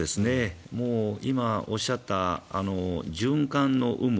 今、おっしゃった循環の有無